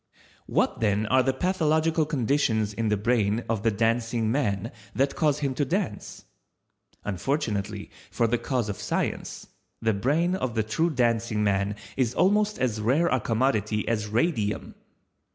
What then are the pathological conditions in the brain of the Dancing man that cause him to dance? Unfortunately for the cause of Science, the brain of the true Dancing man is almost as rare a commodity as Radium.